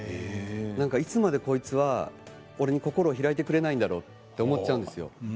いつまでこいつは俺に心を開いてくれないんだろうと思っちゃうんです。